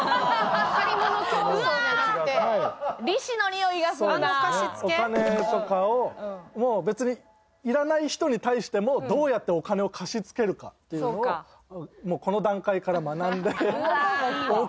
お金とかをもう別にいらない人に対してもどうやってお金を貸し付けるかっていうのをこの段階から学んで。